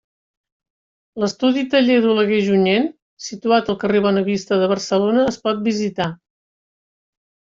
L'Estudi-Taller d'Oleguer Junyent situat al carrer Bonavista de Barcelona es pot visitar.